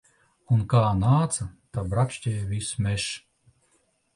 Un kā nāca, tā brakšķēja viss mežs.